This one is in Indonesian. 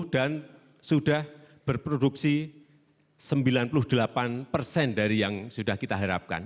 dan sudah berproduksi sembilan puluh delapan persen dari yang sudah kita harapkan